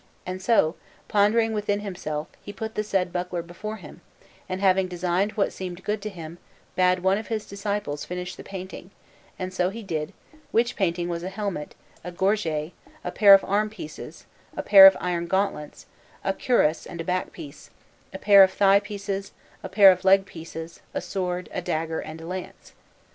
And so, pondering within himself, he put the said buckler before him, and, having designed what seemed good to him, bade one of his disciples finish the painting, and so he did; which painting was a helmet, a gorget, a pair of arm pieces, a pair of iron gauntlets, a cuirass and a back piece, a pair of thigh pieces, a pair of leg pieces, a sword, a dagger, and a lance.